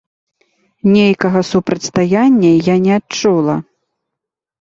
Нейкага супрацьстаяння я не адчула.